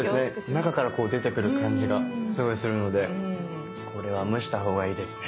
中からこう出てくる感じがすごいするのでこれは蒸したほうがいいですね。